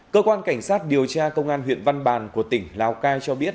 cơ quan cảnh sát điều tra công an huyện văn bàn của tỉnh lào cai cho biết